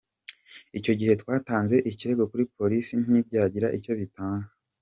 Icyo gihe twatanze ikirego kuri polisi ntibyagira icyo bitanga.